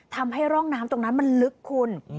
ทำให้ร่องน้ำตรงนั้นมันลึกคุณ